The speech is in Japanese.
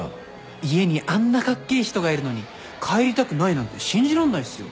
家にあんなかっけえ人がいるのに帰りたくないなんて信じらんないっすよ。